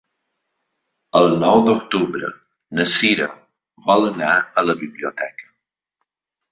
El nou d'octubre na Cira vol anar a la biblioteca.